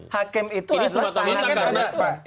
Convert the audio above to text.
hakim itu adalah